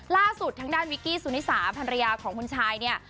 ล่าสุดทางด้านวิกกี้สุนิสาภรรยาของคุณชายเนี่ย